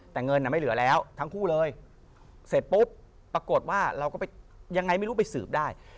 แต่เงินไม่เหลือแล้วทั้งคู่เลยเสร็จปุ๊บปรากฏว่าเราก็ไปยังไงไม่รู้ไปสืบได้